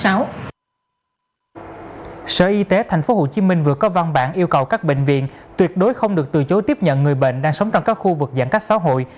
sở y tế tp hcm vừa có văn bản yêu cầu các bệnh viện tuyệt đối không được từ chối tiếp nhận người bệnh đang sống trong các khu vực giãn cách xã hội